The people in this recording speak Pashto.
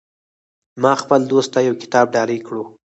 ما خپل دوست ته یو کتاب ډالۍ کړو